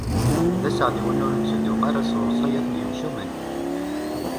D aseɛdi win ur netteddu ara s lewṣayat n yimcumen.